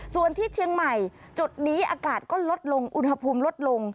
ส่วนที่เชียงใหม่จุดนี้อากาศก็ลดลงอุณหภูมิลดลง